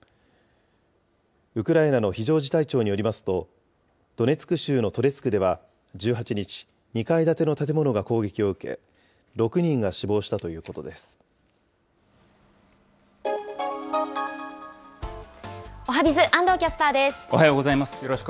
ウクライナの非常事態庁によりますと、ドネツク州のトレツクでは１８日、２階建ての建物が攻撃を受け、おはＢｉｚ、安藤キャスターおはようございます。